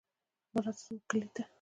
مه راځه زموږ کلي ته.